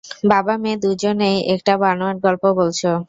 বাবা-মেয়ে দুজনেই একটা বানোয়াট গল্প বলছো।